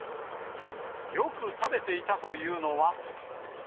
よく食べていたというのは。